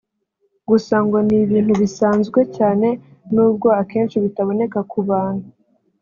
gusa ngo ni ibintu bisanzwe cyane n’ubwo akenshi bitaboneka ku bantu